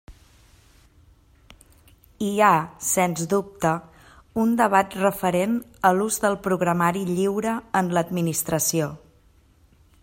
Hi ha, sens dubte, un debat referent a l'ús del programari lliure en l'administració.